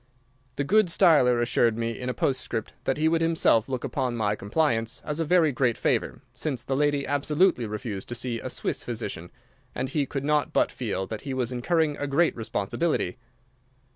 The good Steiler assured me in a postscript that he would himself look upon my compliance as a very great favour, since the lady absolutely refused to see a Swiss physician, and he could not but feel that he was incurring a great responsibility.